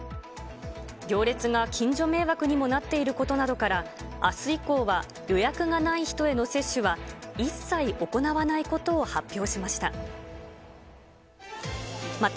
行列が近所迷惑にもなっていることなどから、あすいこうは、予約がない人への接種は一切行わないことを発表しました。